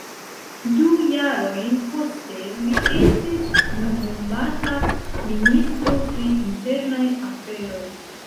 Du jarojn poste li estis nomumata Ministro pri Internaj Aferoj.